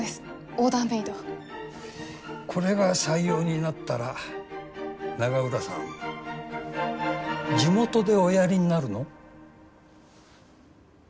これが採用になったら永浦さん地元でおやりになるの？